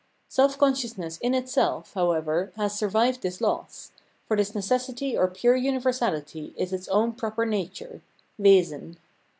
Self conscious ness in itself, however, has survived this loss ; for this necessity or pure imiversahty is its own proper nature (Wesen).